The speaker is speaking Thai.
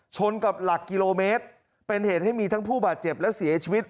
ชนกับหลักกิโลเมตรเป็นเหตุให้มีทั้งผู้บาดเจ็บและเสียชีวิต